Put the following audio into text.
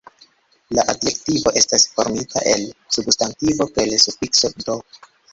La adjektivo estas formita el substantivo per sufikso "-d".